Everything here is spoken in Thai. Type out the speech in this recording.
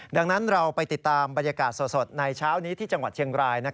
ดังนั้นเราไปติดตามบรรยากาศสดในเช้านี้ที่จังหวัดเชียงราย